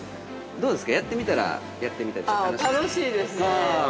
◆どうですかやってみたらやってみたで◆楽しいですね。